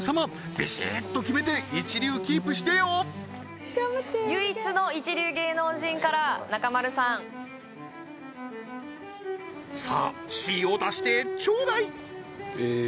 ビシッと決めて一流キープしてよ頑張って唯一の一流芸能人から中丸さんさあＣを出してちょうだいええー